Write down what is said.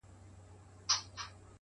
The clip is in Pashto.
د فکر پراخوالی د ودې نښه ده’